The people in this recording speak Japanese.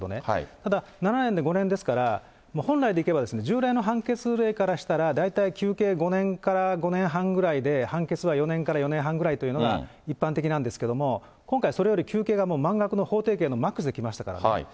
ただ、７年で５年ですから、本来でいけば、従来の判決例からしたら、だいたい求刑５年から５年半ぐらいで、判決が４年から４年半ぐらいというのが一般的なんですけれども、今回、それより求刑の満額のマックスで来ましたからね。